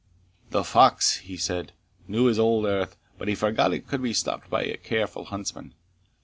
"The fox," he said, "knew his old earth, but he forgot it could be stopped by a careful huntsman.